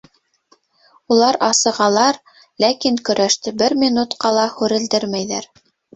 Улар асығалар, ләкин көрәште бер минутҡа ла һүрелдермәйҙәр.